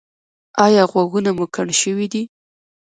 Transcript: ایا غوږونه مو کڼ شوي دي؟